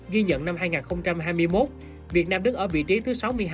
ghi nhận năm hai nghìn hai mươi một việt nam đức ở vị trí thứ sáu mươi hai